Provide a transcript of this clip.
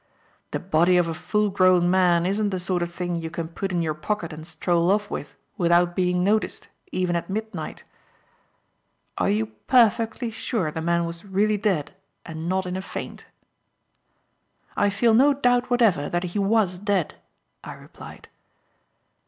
"The body of a full grown man isn't the sort of thing you can put in your pocket and stroll off with without being noticed, even at midnight. Are you perfectly sure the man was really dead and not in a faint?" "I feel no doubt whatever that he was dead," I replied.